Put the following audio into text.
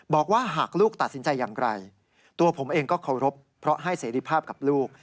บอกว่าหากลูกตัดสินใจอย่างไรตัวผมเองก็เคารพเพราะให้เสรีภาพกับลูก